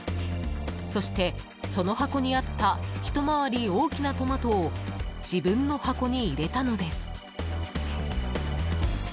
そしてその箱にあったひと回り大きなトマトを自分の箱に入れたのです。